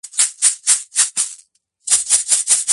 ხელისუფლებამ დახურა რევოლუციური მიმართულებისათვის.